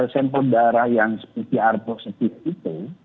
sampel darah yang pcr positif itu